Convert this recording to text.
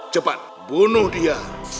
cepat bunuh dia